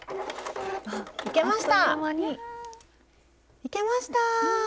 いけました！